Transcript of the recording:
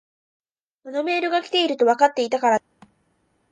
あのメールが来ているとわかっていたからだ。